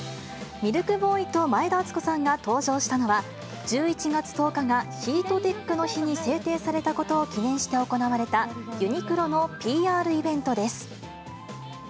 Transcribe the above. ミルクボーイと前田敦子さんが登場したのは、１１月１０日がヒートテックの日に制定されたことを記念して行われた、ユニクロのＰＲイベントです。